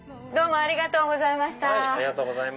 ありがとうございます。